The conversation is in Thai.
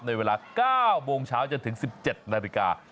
ในเวลา๙โมงเช้าจนถึง๑๗นาฬิกา